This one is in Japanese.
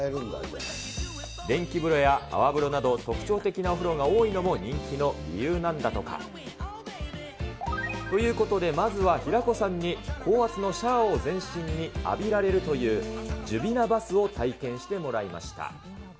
電気風呂や泡風呂など特徴的なお風呂が多いのも人気の理由なんだとか。ということで、まずは平子さんに高圧のシャワーを全身に浴びられるという、ジュビナバスを体験してもらいました。